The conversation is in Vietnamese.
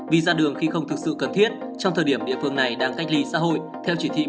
vì ra đường khi không thực sự cần thiết trong thời điểm địa phương này đang cách ly xã hội theo chỉ thị một mươi